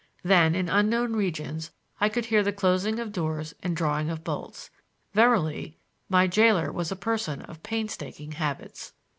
Then, in unknown regions, I could hear the closing of doors and drawing of bolts. Verily, my jailer was a person of painstaking habits.